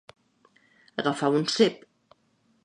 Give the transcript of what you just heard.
Agafar un cep.